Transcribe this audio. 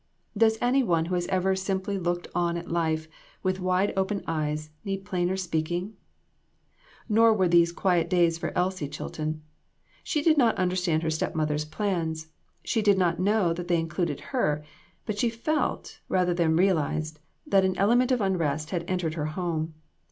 Does any one who has even simply looked on at life, with wide open eyes, need plainer speaking ? Nor were these quiet days for Elsie Chilton. She did not understand her step mother's plans ; she did not know that they included her; but she felt, rather than realized, that an element of unrest had entered her home.